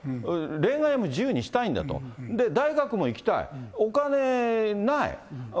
恋愛も自由にしたいんだと、大学も行きたい、お金ない。